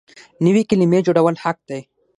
نوې کلمې جوړول حق دی.